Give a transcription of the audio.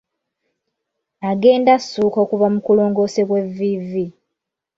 Agenda assuuka okuva mu kulongoosebwa evviivi.